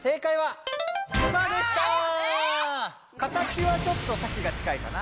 形はちょっとサキが近いかな？